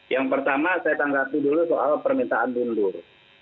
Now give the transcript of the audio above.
yang pertama saya tanggapi dulu soal permintaan mundur